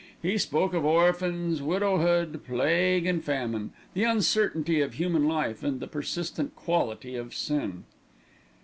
He spoke of orphans, widowhood, plague and famine, the uncertainty of human life and the persistent quality of sin.